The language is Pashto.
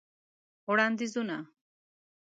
وړاندیزونه :